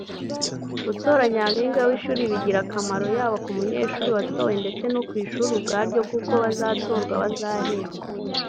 “Gutora Nyampinga w’ishiri bigira akamaro yaba ku munyeshuri watowe ndetse no ku ishuri ubwaryo kuko abazatorwa bazahembwa